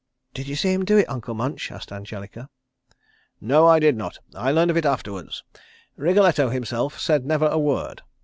"Did you see him do it, Uncle Munch?" asked Angelica. "No, I did not. I learned of it afterwards. Wriggletto himself said never a word.